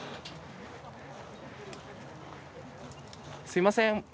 すみません